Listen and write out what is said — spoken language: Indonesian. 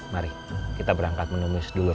mari kita berangkat menemui sedulur